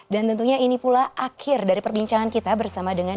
dan tentunya ini pula akhir dari perbincangan kita bersama dengan